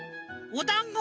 おだんご？